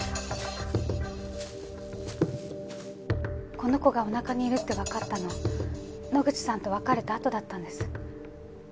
この子がおなかにいるってわかったの野口さんと別れたあとだったんです。